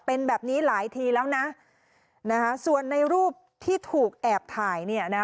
เป็นแบบนี้หลายทีแล้วนะส่วนในรูปที่ถูกแอบถ่ายเนี่ยนะ